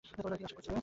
কি আশা করছিলিরে?